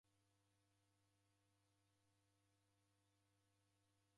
Kwaw'emkabia kihi?